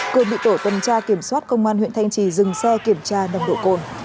cường bị tổ tuần tra kiểm soát công an huyện thanh trì dừng xe kiểm tra nồng độ cồn